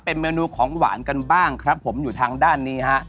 เป็นเมนูของหวานกันบ้างครับผมอยู่ทางด้านนี้ฮะ